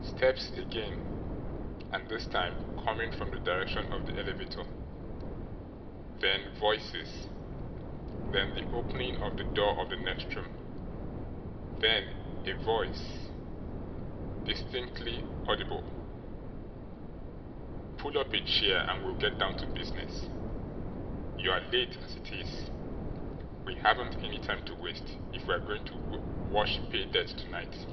Steps again and this time coming from the direction of the elevator; then voices; then the opening of the door of the next room; then a voice, distinctly audible: "Pull up a chair, and we'll get down to business. You're late, as it is. We haven't any time to waste, if we're going to wash pay dirt to night."